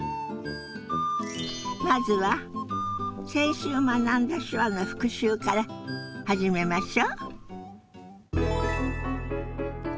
まずは先週学んだ手話の復習から始めましょ。